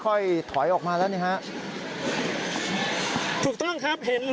คุณภูริพัฒน์บุญนิน